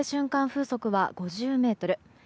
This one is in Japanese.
風速は５０メートル。